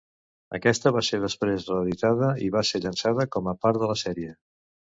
Aquesta va ser després reeditada i va ser llançada com a part de la sèrie.